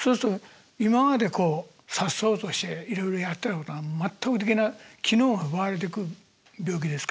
そうすると今までさっそうとしていろいろやってたことが全くできない機能が奪われてく病気ですから。